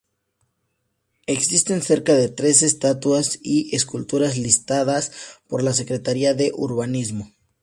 Existen cerca de trece estatuas y esculturas listadas por la Secretaría de Urbanismo.